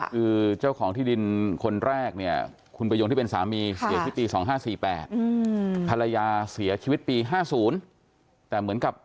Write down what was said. คือเจ้าของที่ดินคนแรกเนี่ยคุณประโยงที่เป็นสามีเสียที่ปี๒๕๔๘ภรรยาเสียชีวิตปี๕๐แต่เหมือนกับ